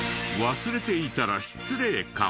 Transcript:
忘れていたら失礼かも？